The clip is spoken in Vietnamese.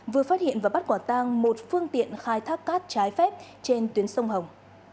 vừa phát hiện và bắt quả tang một phương tiện khai thác cát trái phép trên tuyến sông hồng